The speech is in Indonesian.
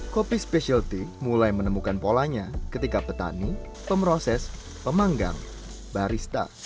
kopi specialty mulai menemukan polanya ketika petani pemproses pemanggang barista